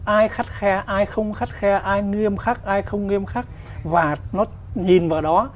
ai khắt khe ai không khắt khe ai nghiêm khắc ai không nghiêm khắc và nó nhìn vào đó